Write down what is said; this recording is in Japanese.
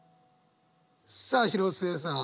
さあ広末さん。